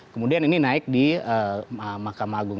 kemudian ini naik di mahkamah agung